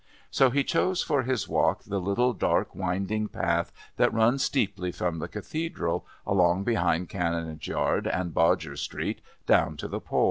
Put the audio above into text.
So he chose for his walk the little dark winding path that runs steeply from the Cathedral, along behind Canon's Yard and Bodger's Street, down to the Pol.